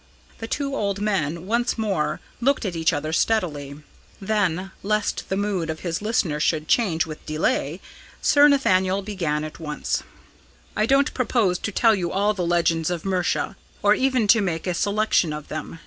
The two old men once more looked at each other steadily. Then, lest the mood of his listener should change with delay, Sir Nathaniel began at once: "I don't propose to tell you all the legends of Mercia, or even to make a selection of them.